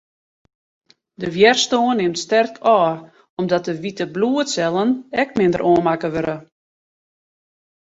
De wjerstân nimt sterk ôf, omdat de wite bloedsellen ek minder oanmakke wurde.